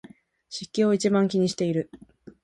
湿度を一番気にしている